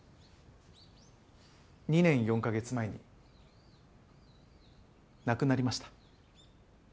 ２年４カ月前に亡くなりました。